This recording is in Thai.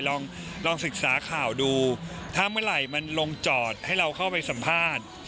ลองลองศึกษาข่าวดูถ้าเมื่อไหร่มันลงจอดให้เราเข้าไปสัมภาษณ์